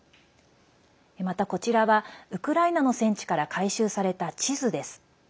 また、こちらはウクライナの戦地から回収された地図です。